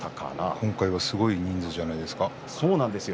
今回はすごい人数じゃないですか。